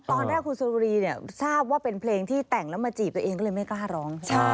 ตอนแรกคุณสุรีเนี่ยทราบว่าเป็นเพลงที่แต่งแล้วมาจีบตัวเองก็เลยไม่กล้าร้องใช่ไหม